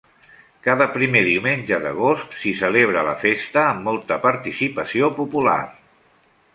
Cada primer diumenge d'agost s'hi celebra la festa amb molta participació popular.